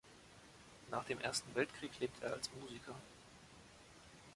Nach dem Ersten Weltkrieg lebte er als Musiker.